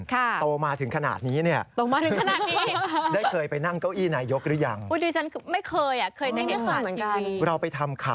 โตมาถึงขนาดนี้